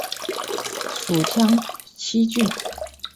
属牂牁郡。